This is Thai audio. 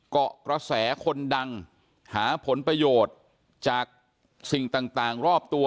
เกาะกระแสคนดังหาผลประโยชน์จากสิ่งต่างรอบตัว